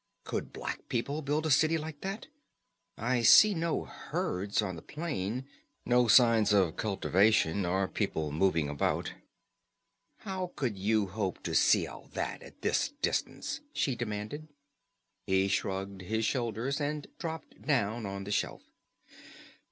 Could black people build a city like that? I see no herds on the plain, no signs of cultivation, or people moving about." "How could you hope to see all that, at this distance?" she demanded. He shrugged his shoulders and dropped down on the shelf.